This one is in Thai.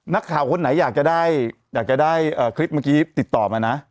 นักข่าวคนไหนอยากจะได้คลิปเมื่อกี้ติดต่อมานะ